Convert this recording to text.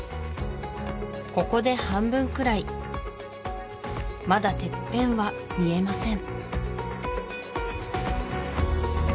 ここで半分くらいまだてっぺんは見えません